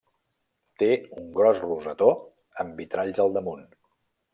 Té un gros rosetó amb vitralls al damunt.